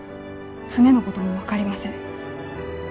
船のことも分かりません。